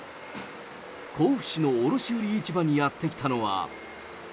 甲府市の卸売市場にやって来たのは。